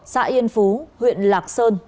xã yên phú huyện lạc sơn